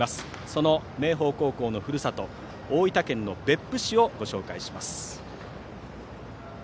その明豊高校のふるさと大分県別府市をご紹介します。